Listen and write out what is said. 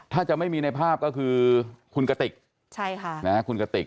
ถ้าจะไม่มีในภาพก็คือคุณกติกคุณกติก